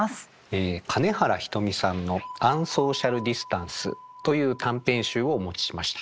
え金原ひとみさんの「アンソーシャルディスタンス」という短編集をお持ちしました。